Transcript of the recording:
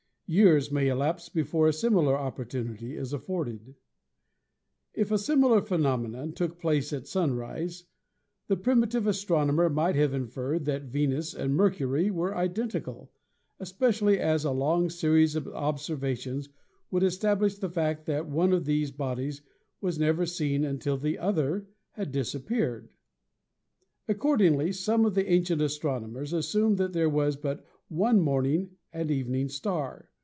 Years may elapse before a similar oppor tunity is afforded. If a similar phenomenon took place at sunrise, the primi tive astronomer might have inferred that Venus and Mer cury were identical, especially as a long series of observa tions would establish the fact that one of these bodies was never seen until the other had disappeared. Accordingly some of the ancient astronomers assumed that there was 124 MERCURY 125 but one morning and evening star.